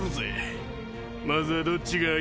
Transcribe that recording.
まずはどっちが相手だ？